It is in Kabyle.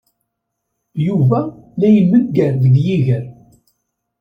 Yuba la imegger deg yiger.